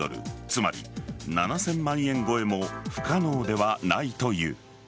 つまり７０００万円超えも不可能ではないという。